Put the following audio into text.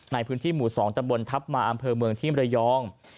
ในพื้นที่หมู่๒ตำบลทัพมาอำเภอเมืองที่มรยอง